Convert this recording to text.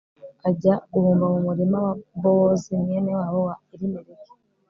ajya guhumba mu murima wa bowozi mwene wabo wa elimeleki